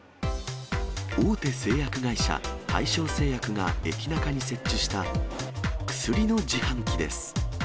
大手製薬会社、大正製薬がエキナカに設置したクスリの自販機です。